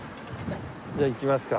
じゃあ行きますか。